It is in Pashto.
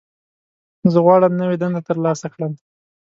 زه غواړم نوې دنده ترلاسه کړم.